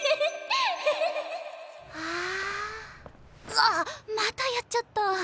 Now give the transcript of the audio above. うわっまたやっちゃった！